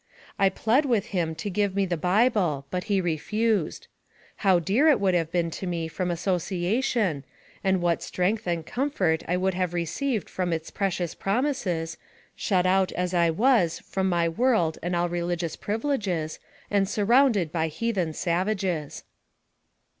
I plead with him to give me the bible, but he re fused. How dear it would have been to me from asso ciation, and what strength and comfort I would have received from its precious promises, shut out, as I was, from my world and all religious privileges and sur rounded by heathen savages.